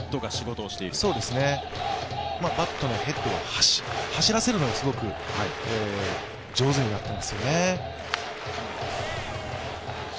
バットのヘッドを走らせるのがすごく上手になっていますよね。